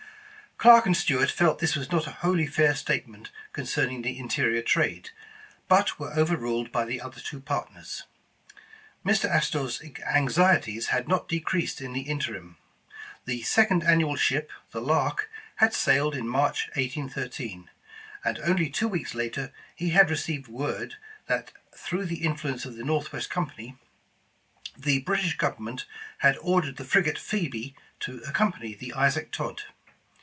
Clarke and Stuart felt this was not a wholly fair 211 The Original John Jacob Astor statement concerning the interior trade, but were over ruled by the other two partners. Mr. Astor 's anxieties had not decreased in the in terim. The second annual ship, the Lark, had sailed in March, 1813, and only two weeks later he had re ceived word that through the influence of the North west Company, the British Government had ordered the frigate Phoebe to accompany the Isaac Todd.